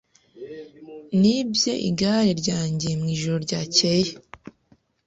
Nibye igare ryanjye mwijoro ryakeye.